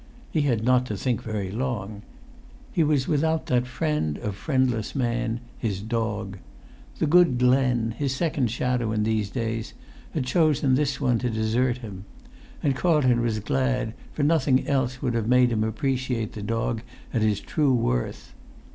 He had not to think very long. He was without that friend of friendless man, his dog. The good Glen, his second shadow in these days, had chosen this one to desert him; and Carlton was glad, for nothing else would have made him appreciate the dog at his true worth.